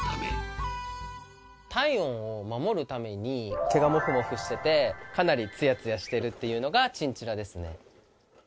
体温を守るために毛がモフモフしててかなりツヤツヤしてるっていうのがチンチラですね。